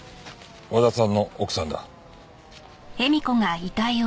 和田さんの奥さんだ。